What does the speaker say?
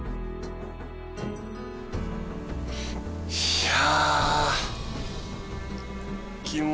いや。